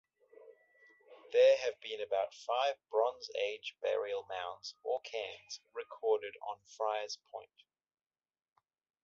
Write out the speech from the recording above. There have been five Bronze Age burial mounds, or cairns, recorded on Friars Point.